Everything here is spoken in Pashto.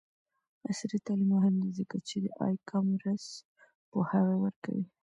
عصري تعلیم مهم دی ځکه چې د ای کامرس پوهاوی ورکوي.